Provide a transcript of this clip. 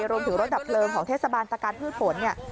รวมถึงรถดับเบลงของเทศบาลตะการพืชผลเนี่ย